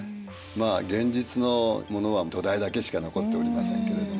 まあ現実のものは土台だけしか残っておりませんけれども。